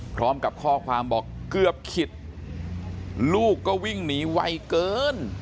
พร้อมกับข้อความบอกเกือบขิดลูกก็วิ่งหนีไวเกิน